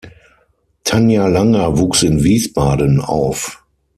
Tanja Langer wuchs in Wiesbaden auf.